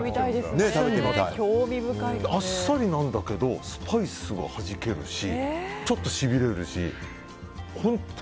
あっさりなんだけどスパイスがはじけるしちょっとしびれるし。